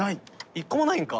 一個も無いんか。